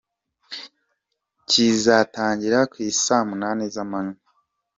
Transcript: Kizatangira ku i saa munani z’amanywa.